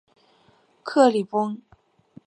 克里翁。